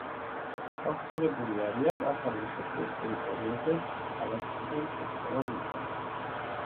გავრცელებული არიან ახალი მსოფლიოს ტერიტორიაზე: ალასკიდან ცეცხლოვან მიწამდე.